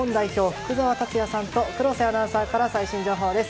福澤達哉さんと黒瀬アナウンサーから最新情報です。